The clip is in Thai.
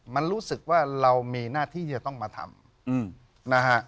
มันรู้สึกว่าเรามีหน้าที่จะต้องมาทำนะฮะ